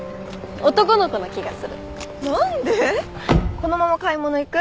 このまま買い物行く？